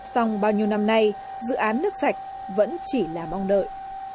xong bao nhiêu năm nay dự án nước sạch vẫn chỉ là mong đợi